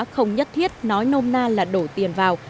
không nhất thiết nói nôm na là đổ tiền vào